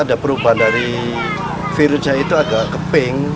ada perubahan dari virusnya itu agak ke pink